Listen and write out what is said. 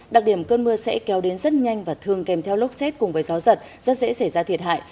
đặc điểm cơn mưa sẽ kéo đến rất nhanh và thường kèm theo lốc xét cùng với gió giật rất dễ xảy ra thiệt hại